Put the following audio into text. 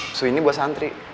susu ini buat santri